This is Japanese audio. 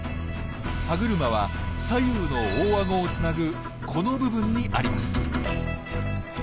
歯車は左右の大あごをつなぐこの部分にあります。